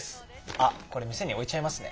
あこれ店に置いちゃいますね。